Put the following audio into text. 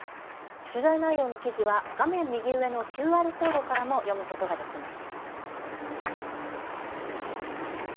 取材内容の記事は画面右上のＱＲコードからも読むことができます。